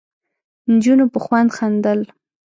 نجونو په خوند خندل.